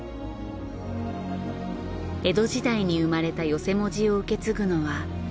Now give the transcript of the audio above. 江戸時代に生まれた寄席文字を受け継ぐのは御年８７